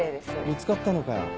見つかったのかよ？